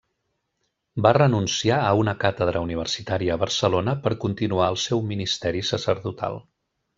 Va renunciar a una càtedra universitària a Barcelona per continuar el seu ministeri sacerdotal.